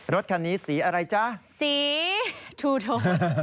รถคันนี้สีอะไรจ๊ะสีทูโท